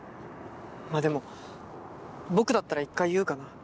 まあでも僕だったら一回言うかな。